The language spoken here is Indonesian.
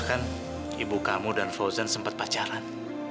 kan ibu kamu dan fauzan sempat pacaran